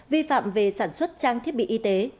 vi phạm về sản xuất trang thiết bị y tế